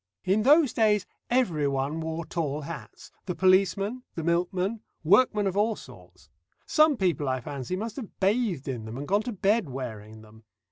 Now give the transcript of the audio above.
In those days everyone wore tall hats the policeman, the milkman, workmen of all sorts. Some people I fancy must have bathed in them and gone to bed wearing them.